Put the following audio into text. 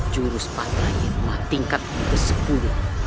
jurus patra hitam tingkat ke sepuluh